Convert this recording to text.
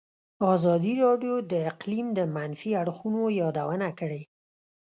ازادي راډیو د اقلیم د منفي اړخونو یادونه کړې.